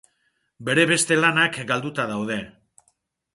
Bere beste lanak galduta daude.